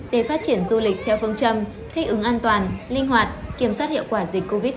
để phát triển du lịch theo phương châm thích ứng an toàn linh hoạt kiểm soát hiệu quả dịch covid một mươi chín